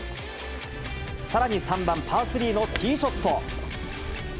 さらに３番パー３のティーショット。